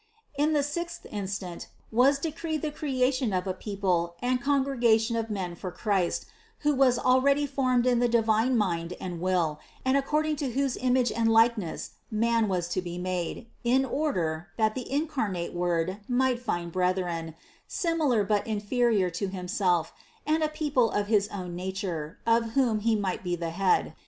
48. In the sixth instant was decreed the creation of a people and congregation of men for Christ, who was al ready formed in the divine mind and will, and according to whose image and likeness man was to be made, in order, that the incarnate Word might find brethren, sim ilar but inferior to Himself and a people of his own na ture, of whom He might be the Head.